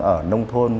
ở nông thôn